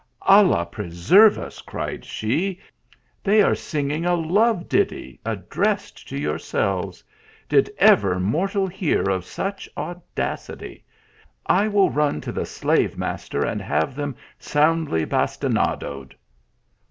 "Allah preserve us," cried she, "they are singing a love ditty addressed to yourselves, did ever mortal hear of such audacity? I will run to the slave master and have them soundly basti nadoed."